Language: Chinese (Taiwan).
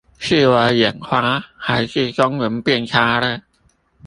是我眼花還是中文變差了？